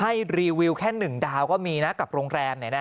ให้รีวิวแค่๑ดาวก็มีนะกับโรงแรมอันไหนนะฮะ